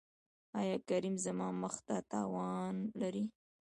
ایا کریم زما مخ ته تاوان لري؟